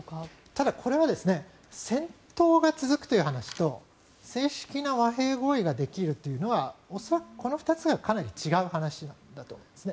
ただこれは戦闘が続くという話と正式な和平合意ができるというのは恐らくこの２つはかなり違う話だと思います。